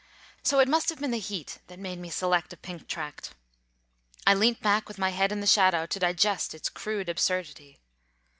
So it must have been the heat that made me select a Pink Tract. I leant back with my head in the shadow to digest its crude absurdity.